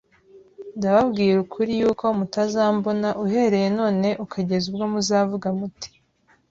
«ndababwira ukuri yuko mutazambona uhereye none ukageza ubwo muzavuga muti